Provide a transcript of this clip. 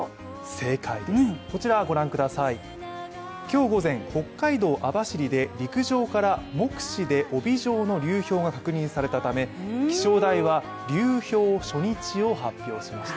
正解です、今日午前北海道・網走で、陸上から目視で帯状の流氷が確認されたため、気象台は流氷初日を発表しました。